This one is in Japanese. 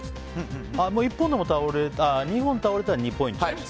２本倒れたら２ポイントなんだ。